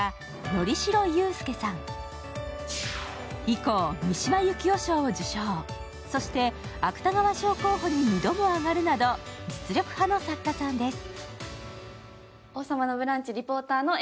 以降、三島由紀夫賞を受賞、そして芥川賞候補に２度も上がるなど実力派の作家さんです。